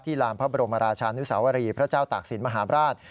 ที่รามพระบรมราชานุสาวรีพระเจ้าตากศิลป์มหาบราช